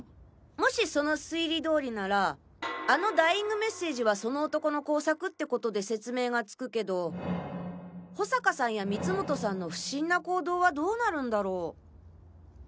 もしその推理どおりならあのダイイング・メッセージはその男の工作って事で説明がつくけど保坂さんや光本さんの不審な行動はどうなるんだろう？